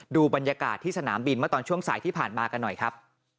ดูบรรยากาศที่สนามบินเมื่อตอนช่วงสายที่ผ่านมากันหน่อยครับ